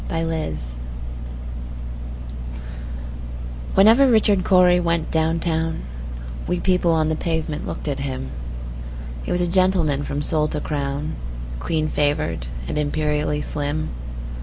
Richard Cory WHENEVER Richard Cory went down town, We people on the pavement looked at him:He was a gentleman from sole to crown, Clean favored, and imperially slim.